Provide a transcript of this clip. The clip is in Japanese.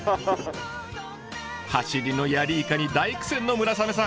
「はしり」のヤリイカに大苦戦の村雨さん。